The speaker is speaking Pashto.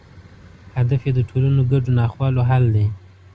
هدف یې د ټولنو ګډو ناخوالو حل دی.